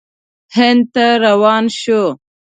هند ته روان شو.